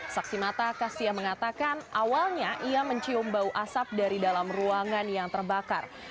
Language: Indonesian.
saksi mata kastia mengatakan awalnya ia mencium bau asap dari dalam ruangan yang terbakar